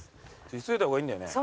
急いだ方がいいんだよね？